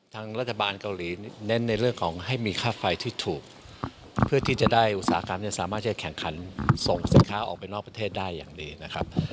ทางรัฐบาลเกาหลีเน้นในเรื่องของให้มีค่าไฟที่ถูกเพื่อที่จะได้อุตสาหกรรมเนี่ยสามารถจะแข่งขันส่งสินค้าออกไปนอกประเทศได้อย่างดีนะครับ